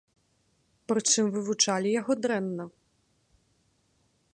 Прычым вывучалі яго дрэнна.